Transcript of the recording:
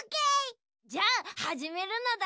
じゃあはじめるのだ。